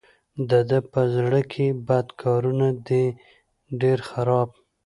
د ده په زړه کې بد کارونه دي ډېر خراب.